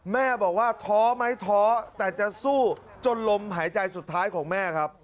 แม่บอกว่าท้อไหมท้อแต่จะสู้จนลมหายใจสุดท้ายของแม่ครับ